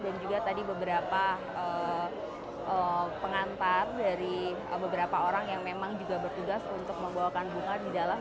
dan juga tadi beberapa pengantar dari beberapa orang yang memang juga bertugas untuk membawakan bunga di dalam